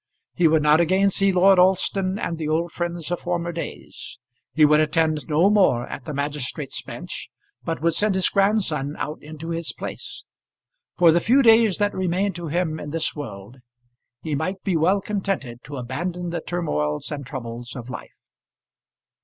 He would not again see Lord Alston and the old friends of former days. He would attend no more at the magistrates' bench, but would send his grandson out into his place. For the few days that remained to him in this world, he might be well contented to abandon the turmoils and troubles of life.